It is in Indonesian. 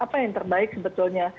apa yang terbaik sebetulnya